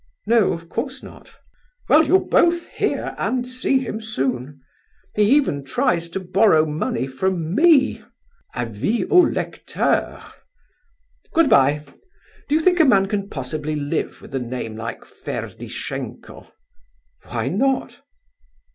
"No; of course not." "Well, you'll both hear and see him soon; he even tries to borrow money from me. Avis au lecteur. Good bye; do you think a man can possibly live with a name like Ferdishenko?" "Why not?"